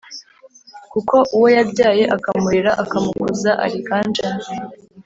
kuko uwo yabyaye akamurera akamukuza ariganjemo.